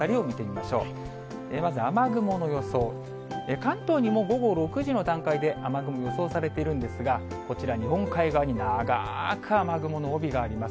まず雨雲の予想、関東にも午後６時の段階で雨雲予想されているんですが、こちら、日本海側に長ーく雨雲の帯があります。